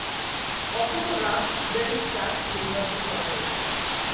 অসংখ্য রাস্পবেরি চাষ নির্বাচন করা হয়েছে।